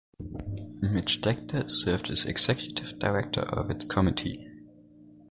Midge Decter served as Executive Director of its Committee.